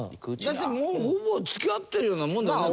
だってもうほぼ付き合ってるようなもんだよね。